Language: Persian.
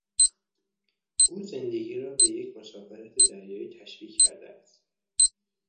او زندگی را به یک مسافرت دریایی تشبیه کرده است.